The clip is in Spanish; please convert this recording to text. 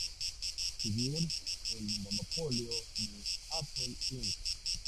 Si bien el monopolio de Apple, Inc.